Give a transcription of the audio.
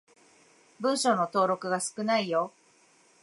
文章の登録が少ないよ。